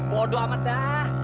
bodoh amat dah